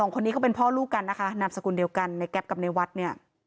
คนนี้เขาเป็นพ่อลูกกันนะคะนามสกุลเดียวกันในแก๊ปกับในวัดเนี่ย